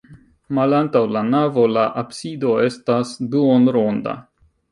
Malantaŭ la navo la absido estas duonronda.